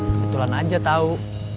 kebetulan aja tau